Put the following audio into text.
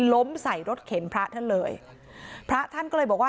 ล้มใส่รถเข็นพระท่านเลยพระท่านก็เลยบอกว่า